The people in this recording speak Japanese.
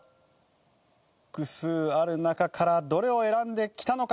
複数ある中からどれを選んできたのか？